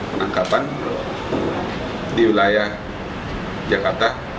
penangkapan di wilayah jakarta